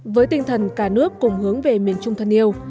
với tinh thần cả nước cùng hướng về miền trung thân yêu